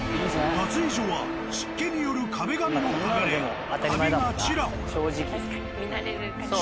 脱衣所は湿気による壁紙の剥がれカビがちらほら。